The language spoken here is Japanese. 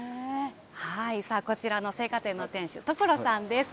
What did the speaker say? さあ、こちらの青果店の店主、戸頃さんです。